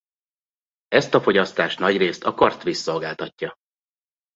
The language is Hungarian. Ezt a fogyasztást nagyrészt a karsztvíz szolgáltatja.